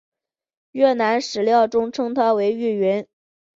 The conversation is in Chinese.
越南史料中称她为玉云。